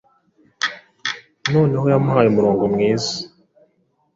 Noneho yamuhaye umurongo mwiza